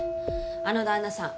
あの旦那さん